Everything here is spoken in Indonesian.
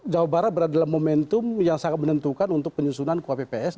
jawa barat berada dalam momentum yang sangat menentukan untuk penyusunan kuapps